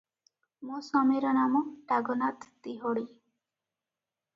ମୋ ସ୍ୱାମୀର ନାମ ଟାଗନାଥ ତିହଡି ।